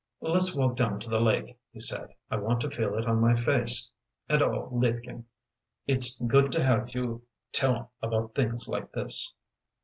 "Let's walk down to the lake," he said. "I want to feel it on my face. And oh, liebchen it's good to have you tell about things like this."